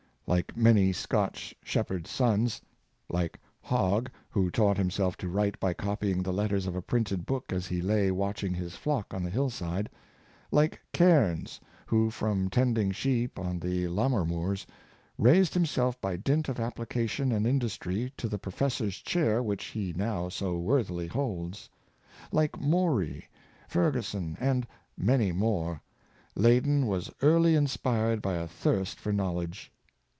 Like many Scotch shep herds' sons — like Hogg, who taught himself to write by copying the letters of a printed book as he lay watching his flock on the hill side — like Cairns, who from tend ing sheep on the Lammermoors, raised himself by dint of application and industry to the professor's chair which he now so worthily holds — like Maurey, Ferguson, and many more, Leyden was early inspired by a thirst for knowledge.